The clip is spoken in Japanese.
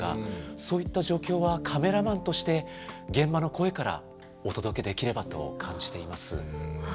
そういった状況はカメラマンとして現場の声からお届けできればと感じています。